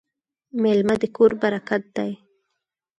میلمه د کور برکت دی.